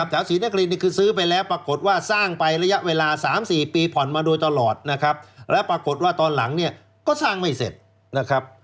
ศรีนครินนี่คือซื้อไปแล้วปรากฏว่าสร้างไประยะเวลา๓๔ปีผ่อนมาโดยตลอดนะครับแล้วปรากฏว่าตอนหลังเนี่ยก็สร้างไม่เสร็จนะครับ